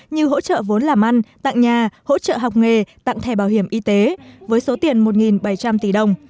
như hỗ trợ vốn làm ăn tặng nhà hỗ trợ học nghề tặng thẻ bảo hiểm y tế với số tiền một bảy trăm linh tỷ đồng